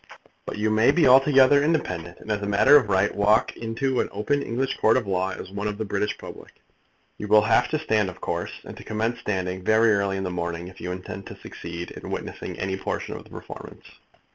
But you may be altogether independent, and, as a matter of right, walk into an open English court of law as one of the British public. You will have to stand of course, and to commence standing very early in the morning if you intend to succeed in witnessing any portion of the performance.